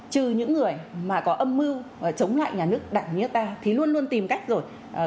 trừ những người mà có âm mưu chống lại nhà nước đảng nhà nước ta thì luôn luôn tìm cách rồi